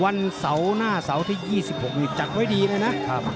วันเสาร์หน้าเสาร์ที่๒๖นี่จัดไว้ดีเลยนะ